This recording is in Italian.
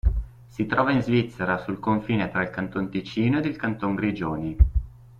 Si trova in Svizzera sul confine tra il Canton Ticino ed il Canton Grigioni.